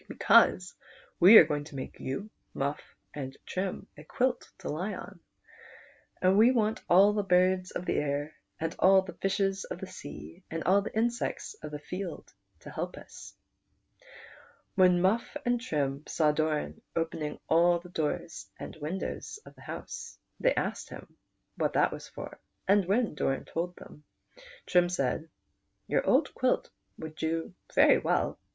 Because we are going to make you, Muff, and Trim a quilt to lie on, and we want all the birds of the air, all the fishes of the sea, and all the insects of the field to help us." When Muff" and Trim saw Doran opening all the doors and windows of the house, they asked him what that was for, and when Doran told them, Trim said : "Your old quilt would do very well.